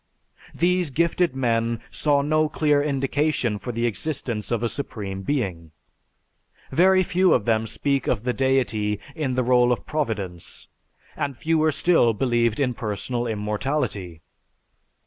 These gifted men saw no clear indication for the existence of a supreme being; very few of them speak of the deity in the role of Providence and fewer still believed in personal immortality.